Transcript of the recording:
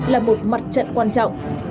là một mặt trận quan trọng